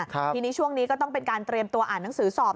ทีนี้ช่วงนี้ก็ต้องเป็นการเตรียมตัวอ่านหนังสือสอบ